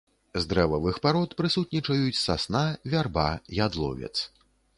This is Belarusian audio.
З дрэвавых парод прысутнічаюць сасна, вярба, ядловец.